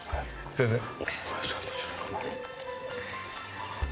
すみません。